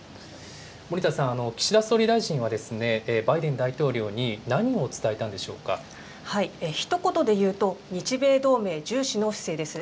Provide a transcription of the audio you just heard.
森田さん、岸田総理大臣はバイデン大統領に何を伝えたんでしょうひと言で言うと、日米同盟重視の姿勢です。